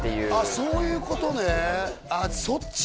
あそういうことね